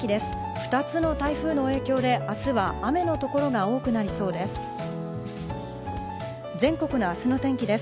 ２つの台風の影響で明日は雨の所が多くなりそうです。